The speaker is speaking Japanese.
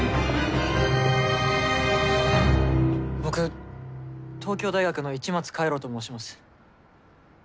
僕東京大学の市松海路と申します